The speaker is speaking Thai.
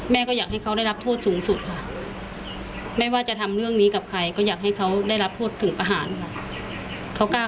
แม่ของน้องสมผู้บอกว่าโอ้โหคนในครอบครัวห่างเหินกันไปหมดทุกคนเลยอะค่ะ